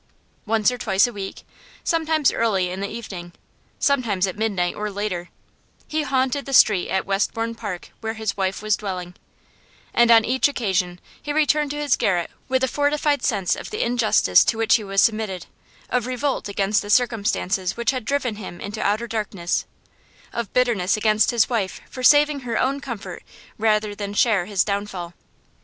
Once or twice a week, sometimes early in the evening, sometimes at midnight or later, he haunted the street at Westbourne Park where his wife was dwelling, and on each occasion he returned to his garret with a fortified sense of the injustice to which he was submitted, of revolt against the circumstances which had driven him into outer darkness, of bitterness against his wife for saving her own comfort rather than share his downfall.